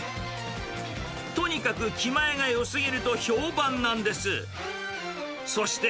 とにかく気前がよすぎると評判なんです。